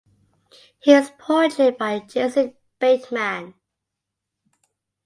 He is portrayed by Jason Bateman.